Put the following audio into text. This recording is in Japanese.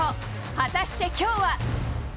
果たしてきょうは？